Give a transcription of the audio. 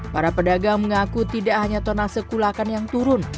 para pedagang mengaku tidak hanya tonas sekulakan yang turun